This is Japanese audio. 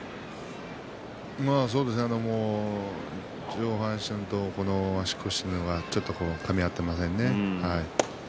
上半身と足腰ちょっとかみ合っていませんね。